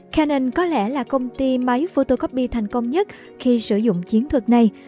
kennan có lẽ là công ty máy photocopy thành công nhất khi sử dụng chiến thuật này